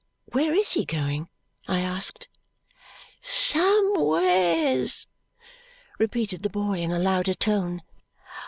"Where is he going?" I asked. "Somewheres," repeated the boy in a louder tone.